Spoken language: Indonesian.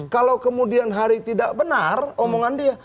kalau kemudian hari tidak benar omongan dia